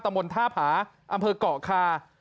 ตรรมณฑรภาอำเภอเกาะคา